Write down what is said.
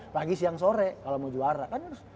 lagi siang sore kalau mau juara kan harus